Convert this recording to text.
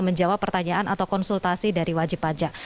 menjawab pertanyaan atau konsultasi dari wajib pajak